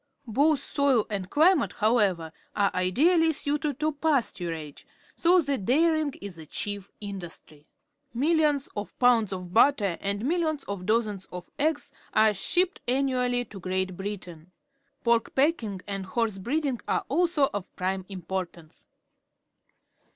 Both soil and cUmate, however, are ideally suited to pasturage, so that dairying is the chief industry. MilUons of pounds of butter and milUons of dozens of eggs are shipped annually to Great Britairu _Pork packing and horse breeding are also of prime importance.